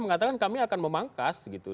mengatakan kami akan memangkas gitu